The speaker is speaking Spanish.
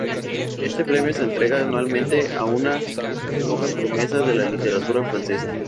Éste premio se entrega anualmente a una joven promesa de la literatura francesa.